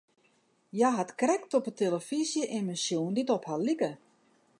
Hja hat krekt op 'e telefyzje immen sjoen dy't op har like.